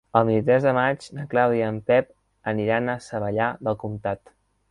El vint-i-tres de maig na Clàudia i en Pep aniran a Savallà del Comtat.